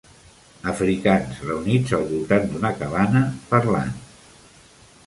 Africans reunits al voltant d'una cabana parlant